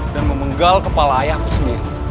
dan memenggal kepala ayahku sendiri